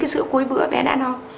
sữa cuối bữa bé đã no